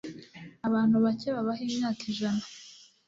abantu bake babaho imyaka ijana